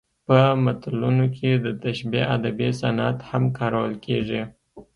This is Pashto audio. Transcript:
په متلونو کې د تشبیه ادبي صنعت هم کارول کیږي